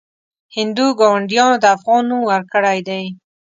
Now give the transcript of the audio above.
هندو ګاونډیانو د افغان نوم ورکړی دی.